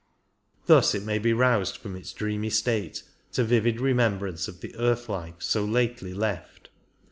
Thus it may be roused from its dreamy state to vivid remembrance of the earth Hfe so lately left.